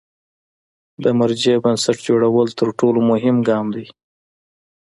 د مرجع بنسټ جوړول تر ټولو مهم ګام دی.